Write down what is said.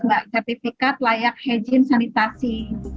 yaitu sertifikat layak hijien sanitasi